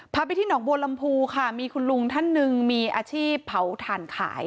ไปที่หนองบัวลำพูค่ะมีคุณลุงท่านหนึ่งมีอาชีพเผาถ่านขาย